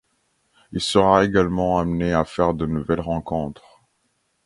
Il sera également amené à faire de nouvelles rencontres.